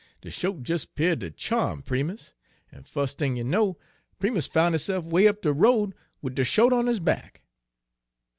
De shote des 'peared ter cha'm Primus, en fus' thing you know Primus foun' hisse'f 'way up de road wid de shote on his back.